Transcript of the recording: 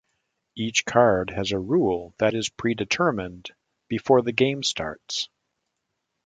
Each card has a rule that is predetermined before the game starts.